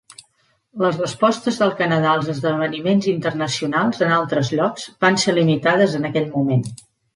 Les respostes del Canadà als esdeveniments internacionals en altres llocs van ser limitades en aquell moment.